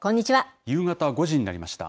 夕方５時になりました。